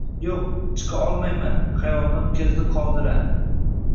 Yoʻq, chiqa olmayman xayolidan oʻtkazdi Qadira